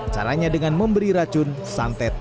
caranya dengan memberi racun santet